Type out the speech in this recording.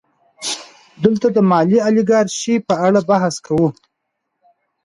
دلته د مالي الیګارشۍ په اړه بحث کوو